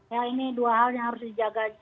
ya ini dua hal yang harus dijaga